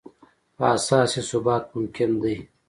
په اساس یې ثبات ممکن دی.